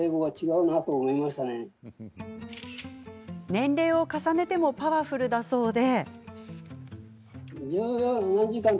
年齢を重ねてもパワフルだそうで。